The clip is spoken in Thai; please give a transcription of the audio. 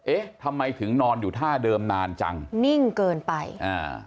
เอ๊ะทำไมถึงนอนอยู่ท่าเดิมนานจังนิ่งเกินไปอ่า